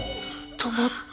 止まった？